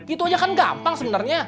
itu aja kan gampang sebenarnya